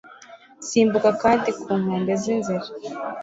simbuka kandi ku nkombe z'inzira